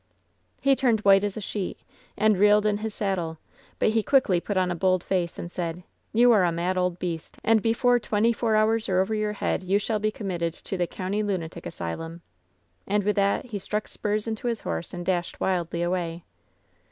986 LOVE'S BITTEREST CUP "Ho turned white as a sheet and he reeled in his sad dle ; but he quickly put on a bold face and said :" *You are a mad old beast, and before twenty four hours are over your head you shall be committed to the County Lunatic Asylum/ "And with that he struck spurs into his horse and dashed wildly away.